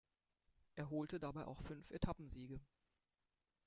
Er holte dabei auch fünf Etappen-Siege.